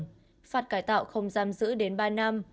phạt cải tạo không giam giữ đến ba năm